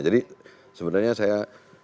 jadi sebenarnya saya